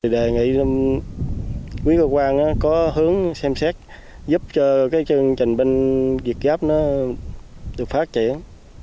đề nghị quý cơ quan có hướng xem xét giúp cho trình binh việt gáp được phát trình